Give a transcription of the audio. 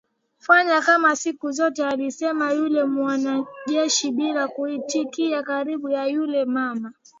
fanya kama siku zote alisema yule mwanajeshi bila kuitikia karibu ya yule mama